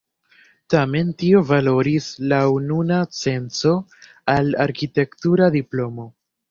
Tamen tio valoris laŭ nuna senco al arkitektura diplomo.